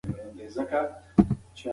که موږ رښتیني اوسو نو بریا زموږ ده.